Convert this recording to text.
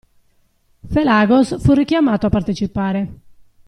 Felagos fu richiamato a partecipare.